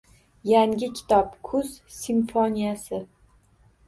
Yangi kitob: “Kuz simfoniyasi”